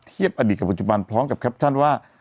อดีตกับปัจจุบันพร้อมกับแคปชั่นว่า